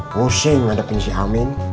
pusing ada pensi amin